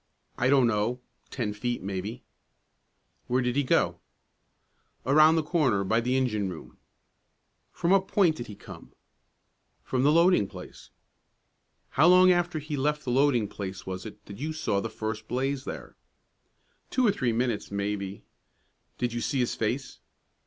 "I don't know; ten feet, maybe." "Where did he go?" "Around the corner, by the engine room." "From what point did he come?" "From the loading place." "How long after he left the loading place was it that you saw the first blaze there?" "Two or three minutes, maybe." "Did you see his face?"